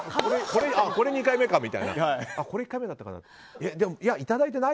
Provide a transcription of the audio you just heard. これ２回目かみたいなこれは１回目だったかみたいな。